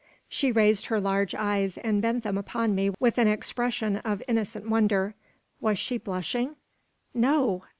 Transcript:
She raised her large eyes, and bent them upon me with an expression of innocent wonder. Was she blushing? No!